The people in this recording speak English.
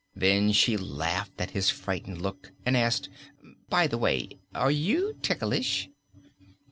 Then she laughed at his frightened look and asked: "By the way, are you ticklish?"